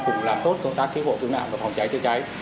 cùng làm tốt công tác cứu hộ tự nạn và phòng cháy chứ cháy